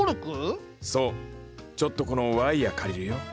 そうちょっとこのワイヤー借りるよ。